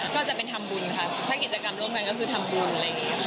ก็จะเป็นทำบุญค่ะถ้ากิจกรรมร่วมกันก็คือทำบุญ